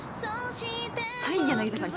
はい柳田さん。